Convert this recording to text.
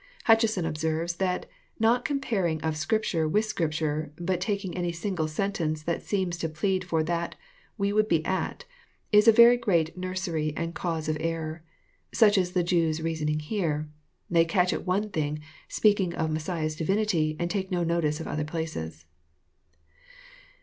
Hutcheson observes that " not comparing of Scripture with Scripture, but taking any single sentence that seems to plead for that we would be at, is a very great nursery and cause of error. Such is the Jews' reasoning here. They catch at one thing, speaking of Messiah*s Divinity, and take no notice of other places."